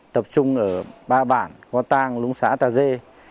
tập trung ở ba bản có tàng lúng xã tà dê